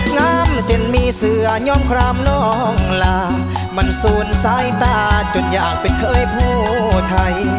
งามเสียนมีเสือยอมครามน้องลามันสูญสายตาจนอยากเป็นเคยผู้ไทย